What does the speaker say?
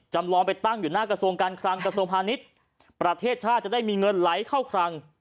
จำลองไปตั้งอยู่หน้ากระทรวงการคลังกระทรวงพาณิชย์ประเทศชาติจะได้มีเงินไหลเข้าคลัง